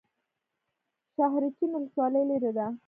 شاحرچین ولسوالۍ لیرې ده؟